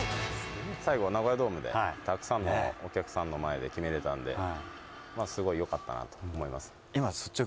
最後はナゴヤドームで、たくさんのお客さんの前で決めれたんで、すごいよかったなと思い